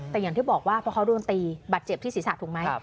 แต่อย่างที่บอกว่าเพราะเขาโดนตีบาดเจ็บที่ศีรษะถูกไหม